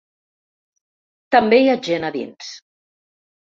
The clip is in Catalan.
També hi ha gent a dins.